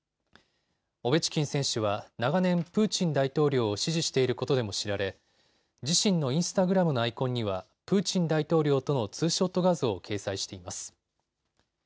オベチキン選手は長年、プーチン大統領を支持していることでも知られ自身のインスタグラムのアイコンにはプーチン大統領とのツーショット画像を掲載しています。